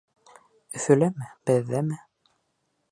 Өфөләме, беҙҙәме?